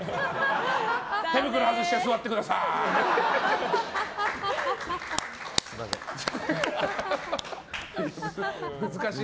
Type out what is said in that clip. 手袋外して座ってください。